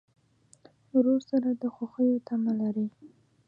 ورور سره د خوښیو تمه لرې.